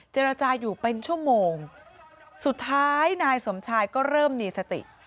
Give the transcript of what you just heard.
เจรจาอยู่เป็นชั่วโมงสุดท้ายนายสมชายก็เริ่มมีสติ